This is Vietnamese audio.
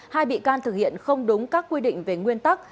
hai bị can thực hiện không đúng các quy định về nguyên tắc